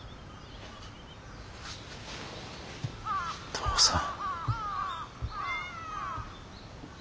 父さん。